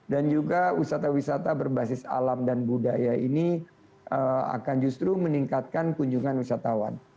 dan juga wisata wisata berbasis alam dan budaya ini akan justru meningkatkan kunjungan wisatawan